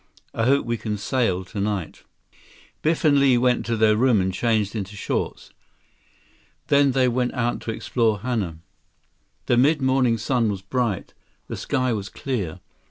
I hope we can sail tonight." Biff and Li went to their room and changed into shorts. Then they went out to explore Hana. The mid morning sun was bright. The sky was clear.